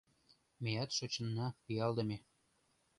Меат шочынна пиалдыме.